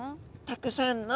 たくさんの。